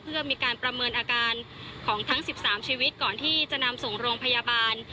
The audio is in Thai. เพื่อมีการประเมินอาการของทั้ง๑๓ชีวิตก่อนที่จะนำส่งโรงพยาบาล